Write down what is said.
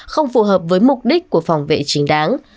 không phù hợp với mục đích của phòng vệ chính đáng